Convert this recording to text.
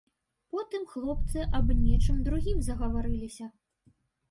Потым хлопцы аб нечым другім загаварыліся.